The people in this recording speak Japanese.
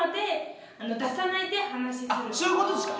そういうことですか！